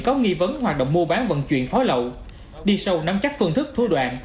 có nghi vấn hoạt động mua bán vận chuyển pháo lậu đi sâu nắm chắc phương thức thu đoạn